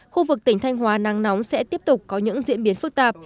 khu vực tỉnh thanh hóa nắng nóng sẽ tiếp tục có những diễn biến phức tạp